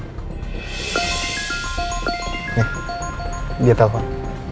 nih dia telpon